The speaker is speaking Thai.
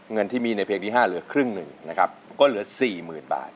เงินที่มีในเพลงที่๕เหลือครึ่งหนึ่งนะครับก็เหลือ๔๐๐๐บาท